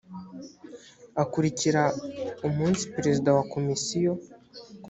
akurikira umunsi perezida wa komisiyo